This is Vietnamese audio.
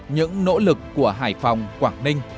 những nỗ lực của hải phòng quảng ninh